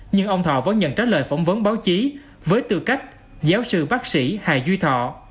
nhưng ông thọ vẫn nhận trả lời phỏng vấn báo chí với tư cách giáo sư bác sĩ hà duy thọ